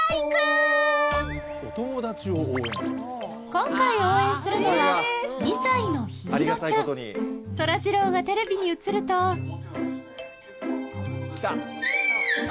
今回応援するのはそらジローがテレビに映るとあ！